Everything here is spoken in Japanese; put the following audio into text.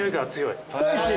スパイシー。